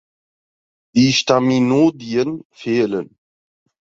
Die Staminodien fehlen.